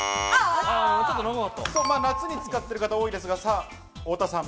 夏に使ってる方多いですが、太田さん。